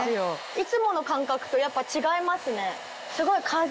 いつもの感覚とやっぱ違いますね。